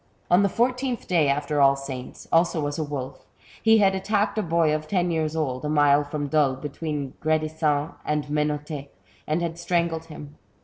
On the fourteenth day after All Saints, also as a wolf, he had attacked a boy of ten years old, a mile from Dole, between Gredisans and Menot^, and had strangled him.